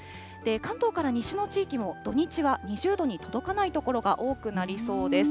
関東から西の地域も、土日は２０度に届かない所が多くなりそうです。